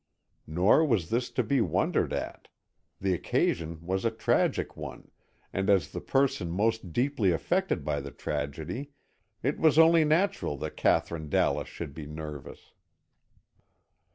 Nor was this to be wondered at. The occasion was a tragic one, and as the person most deeply affected by the tragedy, it was only natural that Katherine Dallas should be nervous.